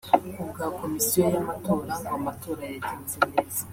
Ku bwa Komisiyo y’Amatora ngo amatora yagenze neza